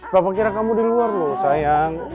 bapak kira kamu di luar loh sayang